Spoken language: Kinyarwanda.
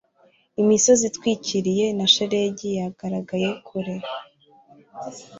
imisozi itwikiriwe na shelegi yagaragaye kure